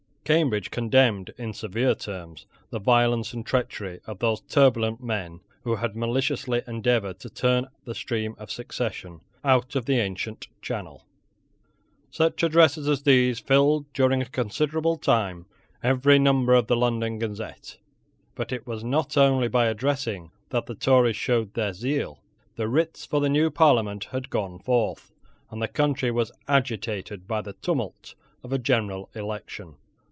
Cambridge condemned, in severe terms, the violence and treachery of those turbulent men who had maliciously endeavoured to turn the stream of succession out of the ancient channel. Such addresses as these filled, during a considerable time, every number of the London Gazette. But it was not only by addressing that the Tories showed their zeal. The writs for the new Parliament had gone forth, and the country was agitated by the tumult of a general election.